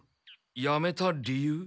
やめた理由？